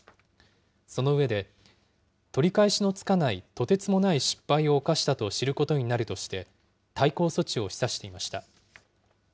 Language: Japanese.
その上で、取り返しのつかない、とてつもない失敗を犯したと知ることになるとして、対抗措置を示唆していました。